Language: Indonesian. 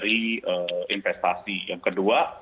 investasi yang kedua